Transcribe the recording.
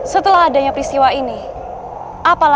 sudah saatnya kita kembali